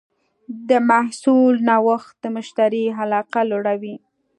د محصول نوښت د مشتری علاقه لوړوي.